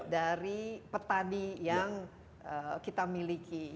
dari petani yang kita miliki